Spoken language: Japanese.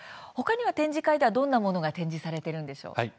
ほかには展示会にはどのようなものが展示されているんでしょうか。